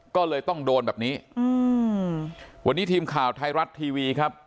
ก็เลยต้องโดนแบบนี้อืมวันนี้ทีมข่าวไทยรัฐทีวีครับ